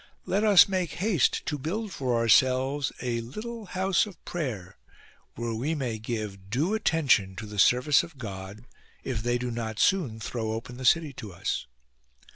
Let us make haste to build for ourselves a little house of prayer, where we may give due attention to the service of God, if they do not soon throw open the city to us."